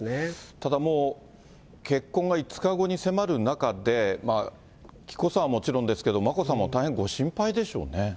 ただもう、結婚が５日後に迫る中で、紀子さまはもちろんですけれども、眞子さまも大変ご心配でしょうね。